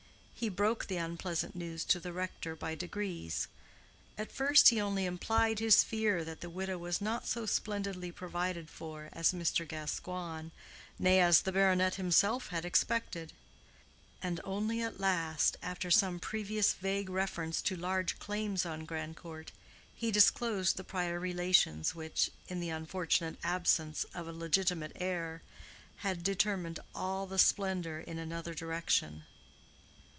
He broke the unpleasant news to the rector by degrees: at first he only implied his fear that the widow was not so splendidly provided for as Mr. Gascoigne, nay, as the baronet himself had expected; and only at last, after some previous vague reference to large claims on Grandcourt, he disclosed the prior relations which, in the unfortunate absence of a legitimate heir, had determined all the splendor in another direction.